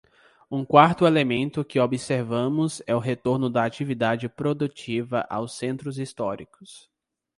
Um quarto elemento que observamos é o retorno da atividade produtiva aos centros históricos.